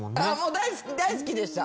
大好きでした。